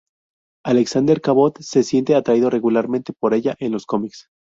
Alexander Cabot se siente atraído regularmente por ella en los cómics.